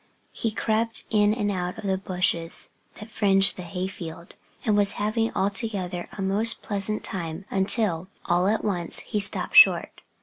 He crept in and out of the bushes that fringed the hay field, and was having altogether a most pleasant time; until all at once he stopped short.